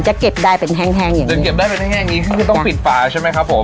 จะเก็บได้เป็นแห้งอย่างนี้คือต้องปิดฝาใช่ไหมครับผม